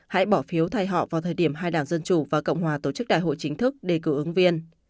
hãy bỏ phiếu thay họ vào thời điểm hai đảng dân chủ và cộng hòa tổ chức đại hội chính thức đề cử ứng viên